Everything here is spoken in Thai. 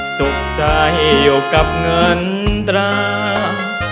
สุขใจอยู่กับเงินตรา